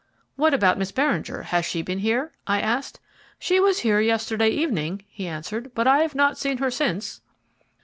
"What about Miss Beringer? Has she been here?" I asked. "She was here yesterday evening," he answered, "but I've not seen her since."